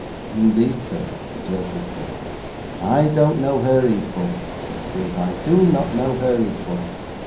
'Indeed, sir!' observed Nicholas. 'I don't know her equal,' said Squeers; 'I do not know her equal.